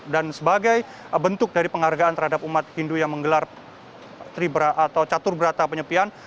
dan sebagai bentuk dari penghargaan terhadap umat hindu yang menggelar catur berata penyepian